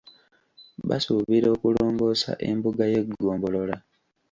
Basuubira okulongoosa embuga y’eggombolola.